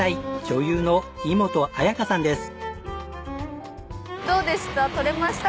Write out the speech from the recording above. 女優の井本彩花さんです。